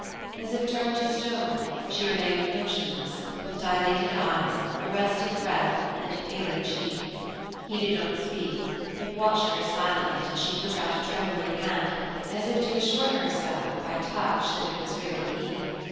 As if turned to stone, she remained motionless, with dilated eyes, arrested breath, and paling cheek. He did not speak but watched her silently till she put out a trembling hand, as if to assure herself by touch that it was really he.